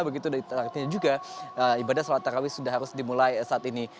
begitu artinya juga ibadah sholat tarawih sudah harus dimulai saat ini